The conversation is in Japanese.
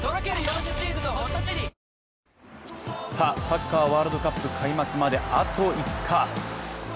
サッカーワールドカップ開幕まであと５日。